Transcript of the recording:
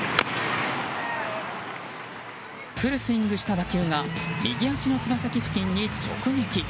フルスイングした打球が右足のつま先付近に直撃。